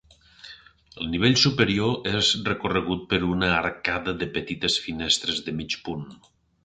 El nivell superior és recorregut per una arcada de petites finestres de mig punt.